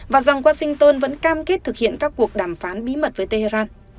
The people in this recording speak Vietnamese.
và rằng washington vẫn cam kết thực hiện các cuộc đàm phán bí mật với tehran